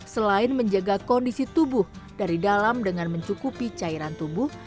selain menjaga kondisi tubuh dari dalam dengan mencukupi cairan tubuh